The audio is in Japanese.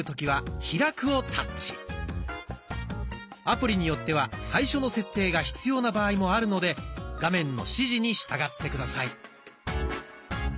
アプリによっては最初の設定が必要な場合もあるので画面の指示に従って下さい。